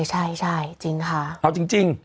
ใช่จริงค่ะเอาจริง